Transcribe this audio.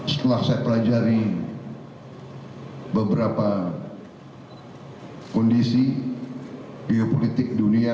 setelah saya pelajari beberapa kondisi geopolitik dunia